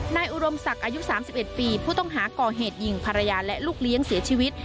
อุดมศักดิ์อายุ๓๑ปีผู้ต้องหาก่อเหตุยิงภรรยาและลูกเลี้ยงเสียชีวิต